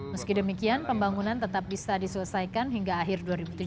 meski demikian pembangunan tetap bisa diselesaikan hingga akhir dua ribu tujuh belas